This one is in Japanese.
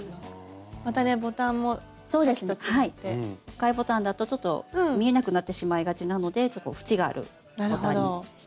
貝ボタンだとちょっと見えなくなってしまいがちなのでふちがあるボタンにしてます。